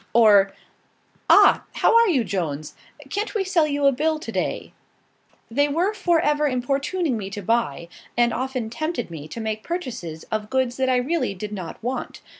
Or "Ah! how are you, Jones? Can't we sell you a bill, to day?" They were for ever importuning me to buy, and often tempted me to make purchases of goods that I really did not want.